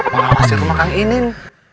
mengawasi rumah kang inin